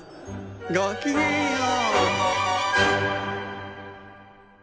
ごきげんよう！